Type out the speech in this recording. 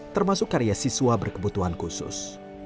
termasuk karya siswa berkebutuhan khusus